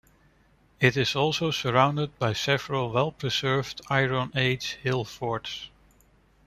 It is also surrounded by several well-preserved Iron-Age hill forts.